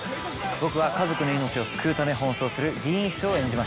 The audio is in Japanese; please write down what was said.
僕は家族の命を救うため奔走する議員秘書を演じました。